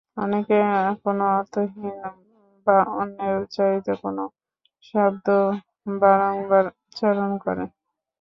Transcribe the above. অনেকে কোনো অর্থহীন বা অন্যের উচ্চারিত কোনো শব্দ বারংবার উচ্চারণ করে।